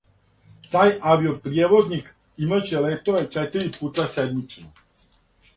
Тај авио-пријевозник имат ће летове четири пута седмично.